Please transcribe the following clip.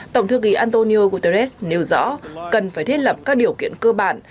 tổng thư ký antonio guterres nêu rõ cần phải thiết lập các điều kiện cơ bản